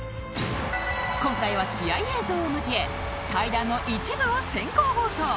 今回は試合映像を交え対談の一部を先行放送